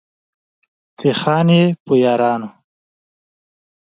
چې خان يې، په يارانو